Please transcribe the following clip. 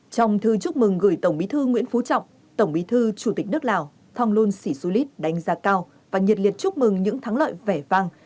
trong thư chúc mừng gửi tổng bí thư nguyễn phú trọng tổng bí thư chủ tịch nước lào thonglun sĩ xu lít đánh giá cao và nhiệt liệt chúc mừng những thắng lợi vẻ vang